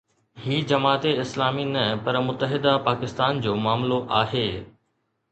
هي جماعت اسلامي نه پر متحده پاڪستان جو معاملو آهي.